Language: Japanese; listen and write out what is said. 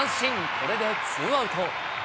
これでツーアウト。